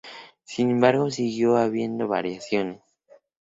Sin embargo siguió habiendo variaciones.